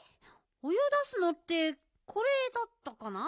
お湯出すのってこれだったかな？